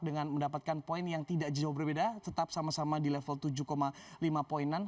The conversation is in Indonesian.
dengan mendapatkan poin yang tidak jauh berbeda tetap sama sama di level tujuh lima poinan